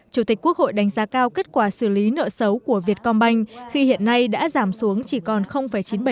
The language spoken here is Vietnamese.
chủ tịch quốc hội đánh giá cao kết quả xử lý nợ xấu của việt công banh khi hiện nay đã giảm xuống chỉ còn chín mươi bảy